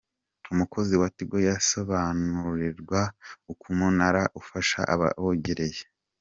Umukozi wa Tigo yabasobanuriraga uko umunara ufasha abo wegereye.